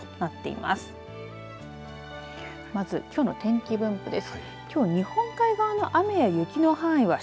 まずきょうの天気分布です。